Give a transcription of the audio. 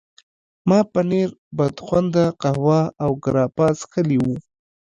ما پنیر، بدخونده قهوه او ګراپا څښلي وو.